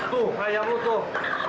tuh ayahmu tuh